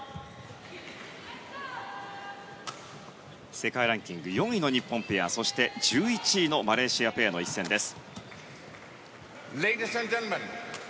世界ランキング４位の日本ペアそして１１位のマレーシアペアの一戦です。